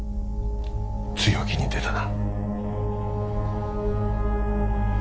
強気に出たな。